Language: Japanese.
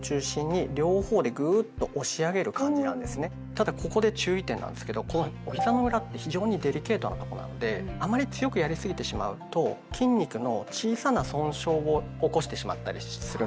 ただここで注意点なんですけどひざの裏って非常にデリケートなとこなのであまり強くやりすぎてしまうと筋肉の小さな損傷を起こしてしまったりするんですね。